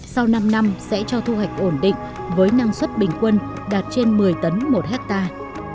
sau năm năm sẽ cho thu hoạch ổn định với năng suất bình quân đạt trên một mươi tấn một hectare